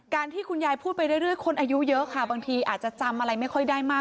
ที่คุณยายพูดไปเรื่อยคนอายุเยอะค่ะบางทีอาจจะจำอะไรไม่ค่อยได้มาก